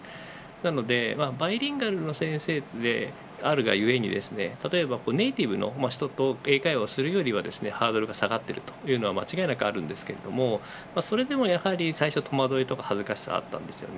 なので、バイリンガルの先生であるがゆえに例えばネイティブの人と英会話をするよりはハードルが下がってるのは間違いなくあるんですがそれでもやはり、最初戸惑いとか恥ずかしさがあったんです。